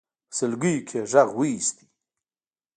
په سلګيو کې يې غږ واېست.